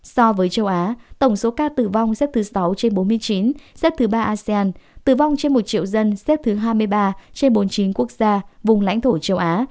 so với châu á tổng số ca tử vong xếp thứ sáu trên bốn mươi chín xếp thứ ba asean tử vong trên một triệu dân xếp thứ hai mươi ba trên bốn mươi chín quốc gia vùng lãnh thổ châu á